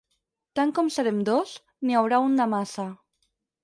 Tant com serem dos, n'hi haurà un de massa.